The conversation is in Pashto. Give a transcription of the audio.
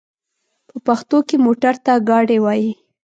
په پښتو کې موټر ته ګاډی وايي.